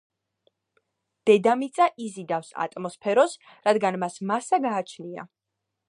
დედამიწა იზიდავს ატმოსფეროს რადგან მას მასა გააჩნია